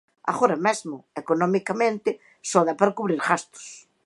Agora mesmo, economicamente, só dá para cubrir gastos.